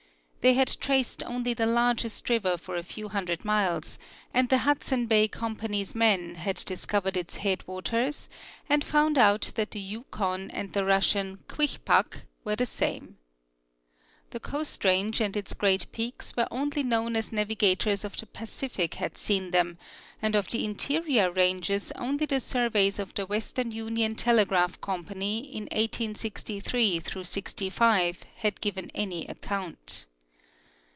They had traced only the largest river for a few hun dred miles, and the Hudson Bay Company's men had dis covered its head waters and found out that the Yukon and the Russian Kwichpak were the same. The Coast range and its great peaks were only known as navigators of the Pacific had seen them, and of the interior ranges only the surveys of the Western Union Telegraph Company in 1863 '65 had given any account.